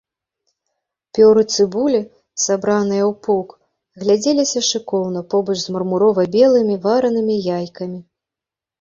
Пёры цыбулі, сабраныя ў пук, глядзеліся шыкоўна побач з мармурова-белымі варанымі яйкамі.